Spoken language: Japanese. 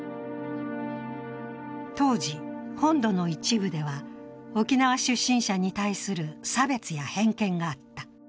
当時、本土の一部では、沖縄出身者に対する差別や偏見があった。